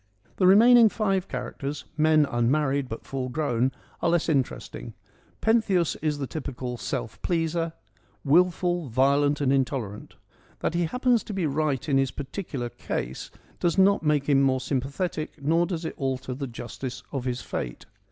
The remaining five characters, men unmarried, but full grown, are less interesting. Pentheus is the typical ' self pleaser ': wilful, violent and in tolerant. That he happens to be right in his partic ular case does not make him more sympathetic nor does it alter the justice of his fate.